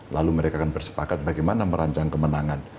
lalu mereka akan bersepakat bagaimana merancang kemenangan